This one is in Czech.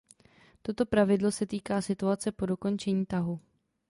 Toto pravidlo se týká situace po dokončení tahu.